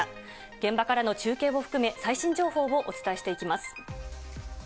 現場からの中継を含め、最新情報をお伝えしていきます。